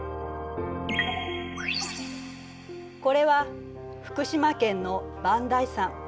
これは福島県の磐梯山。